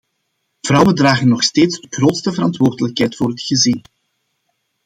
Vrouwen dragen nog steeds de grootste verantwoordelijkheid voor het gezin.